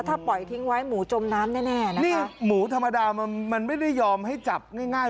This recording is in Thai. ถ้าปล่อยทิ้งไว้หมูจมน้ำแน่แน่นะนี่หมูธรรมดามันมันไม่ได้ยอมให้จับง่ายง่าย